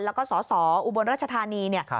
แล้วก็สสอุบลรัชธานีเนี่ย